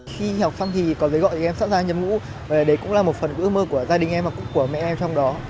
khi học xong thì có giấy gọi em sẵn sàng nhập ngũ và đấy cũng là một phần ước mơ của gia đình em và cũng của mẹ em trong đó